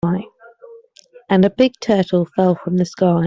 And a big turtle fell from the sky.